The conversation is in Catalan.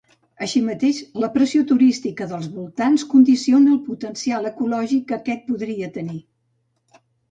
Així mateix, la pressió turística dels voltants condiciona el potencial ecològic que aquest podria tenir.